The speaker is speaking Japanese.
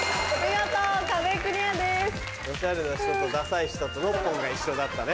オシャレな人とダサい人とノッポンが一緒だったね。